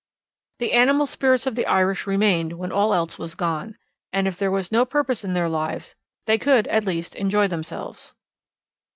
The animal spirits of the Irish remained when all else was gone, and if there was no purpose in their lives, they could at least enjoy themselves.